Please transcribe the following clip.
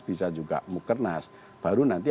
bisa juga mukernas baru nanti